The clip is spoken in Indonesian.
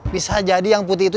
bisa jadi yang putih itu